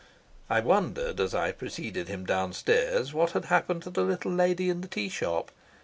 I wondered as I preceded him downstairs what had happened to the little lady in the tea shop.